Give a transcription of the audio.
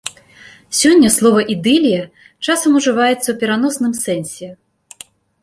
Сёння слова ідылія часам ужываецца ў пераносным сэнсе.